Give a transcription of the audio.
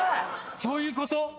そういうこと⁉